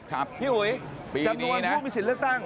ครับปีนี้นะครับเป็นอย่างไรบ้างพี่อุ๋ยจำนวนผู้มีสิทธิ์เลือกตั้ง